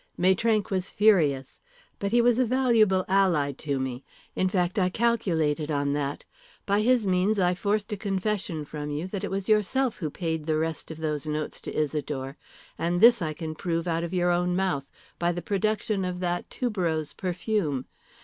Maitrank was furious. But he was a valuable ally to me, in fact I calculated on that. By his means I forced a confession from you that it was yourself who paid the rest of those notes to Isidore, and this I can prove out of your own mouth, by the production of that tuberose perfume.